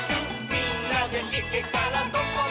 「みんなでいけたらどこでもイス！」